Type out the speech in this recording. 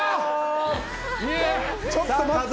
ちょっと待って。